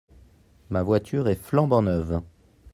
ma voiture est flambant neuve.